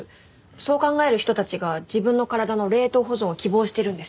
そう考える人たちが自分の体の冷凍保存を希望してるんです。